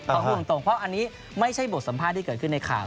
เพราะว่าอันนี้ไม่ใช่บทสัมภาษณ์ที่เกิดขึ้นในข่าว